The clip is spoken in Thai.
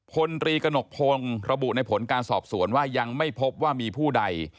พลตรีกระหนกพงศ์ระบุในผลการสอบสวนว่ายังไม่พบว่ามีผู้ใด